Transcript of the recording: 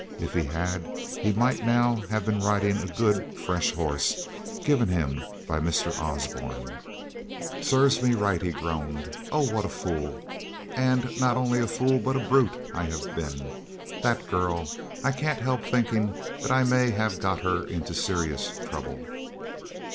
If he had, he might now have been riding a good fresh horse, given him by Mr. Osborne. "Serves me right," he groaned. "Oh, what a fool, and not only a fool, but a brute, I have been. That girl! I can't help thinking that I may have got her into serious trouble."